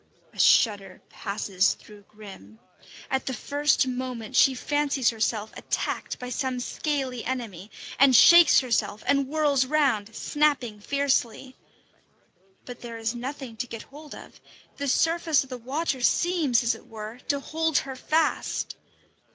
A shudder passes through Grim. At the first moment she fancies herself attacked by some scaly enemy, and shakes herself and whirls round, snapping fiercely. But there is nothing to get hold of; the surface of the water seems, as it were, to hold her fast.